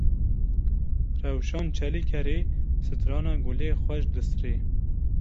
Rewşan Çelîkerê strana Gulê xweş distirê.